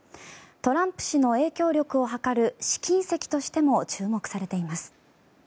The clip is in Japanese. トランプ氏の影響力をはかる試金石としても注目されています。